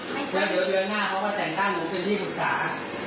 แล้วเดือนหน้าเขาก็แต่งตั้งหรือเป็นที่ปรึกษา